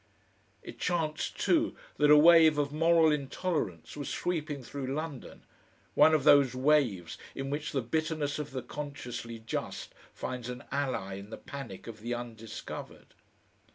It chanced, too, that a wave of moral intolerance was sweeping through London, one of those waves in which the bitterness of the consciously just finds an ally in the panic of the undiscovered.